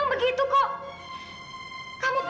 ibu tidak mau